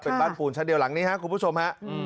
เป็นบ้านปูนชั้นเดียวหลังนี้ครับคุณผู้ชมฮะ